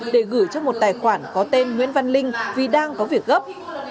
để gửi cho một tài khoản có tên nguyễn văn linh vì đang có việc gấp